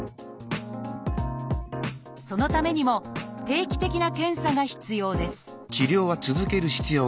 そのためにも定期的な検査が必要です